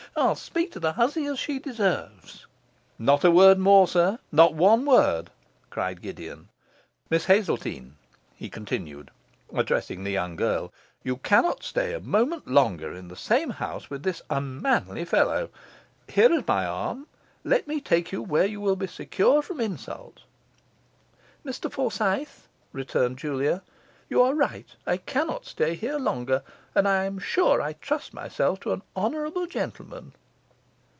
'I'll speak to the hussy as she deserves.' 'Not a word more, sir, not one word,' cried Gideon. 'Miss Hazeltine,' he continued, addressing the young girl, 'you cannot stay a moment longer in the same house with this unmanly fellow. Here is my arm; let me take you where you will be secure from insult.' 'Mr Forsyth,' returned Julia, 'you are right; I cannot stay here longer, and I am sure I trust myself to an honourable gentleman.